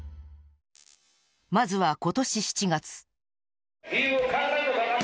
まずは今年７月。